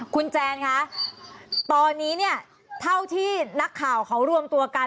คุณแจนคะตอนนี้เนี่ยเท่าที่นักข่าวเขารวมตัวกัน